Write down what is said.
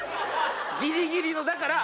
ギリギリのだから。